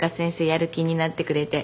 やる気になってくれて。